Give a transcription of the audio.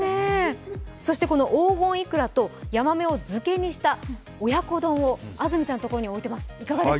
この黄金イクラとヤマメを漬けにした親子丼を安住さんのところに置いています。